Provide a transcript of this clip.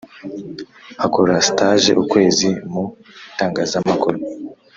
akora stage ukwezi mu itangazamakuru,